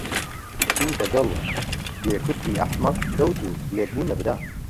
چوو دەگەڵ گوێ کورتی ئەحمەق کەوت و لێک بوونە برا